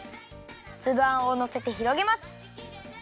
つぶあんをのせてひろげます。